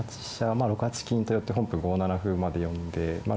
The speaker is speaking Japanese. ６八金と寄って本譜５七歩まで読んでまあ